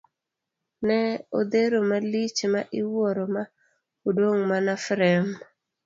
Ne odhero malich ma iwuoro ma odong' mana frem.